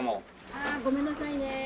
ああごめんなさいね